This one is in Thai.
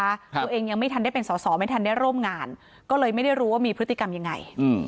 ตัวเองยังไม่ทันได้เป็นสอสอไม่ทันได้ร่วมงานก็เลยไม่ได้รู้ว่ามีพฤติกรรมยังไงอืม